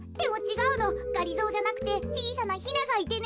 がりぞーじゃなくてちいさなヒナがいてね。